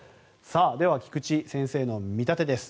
では、菊地先生の見立てです。